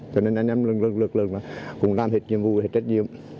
cho nên nhân dân lực lượng cũng làm hết nhiệm vụ hết trách nhiệm